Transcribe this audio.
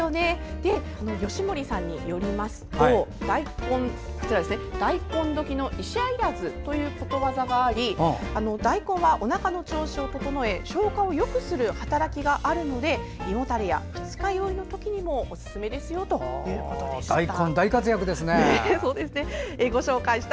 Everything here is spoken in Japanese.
吉守さんによりますと大根は「大根どきの医者いらず」ということわざがあり大根はおなかの調子を整え消化をよくする働きがあるので胃もたれや二日酔いにもおすすめですよということでした。